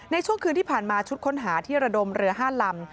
ในช่วงคืนที่ผ่านมาชุดค้นหาที่ระดมเรือ๕ลำ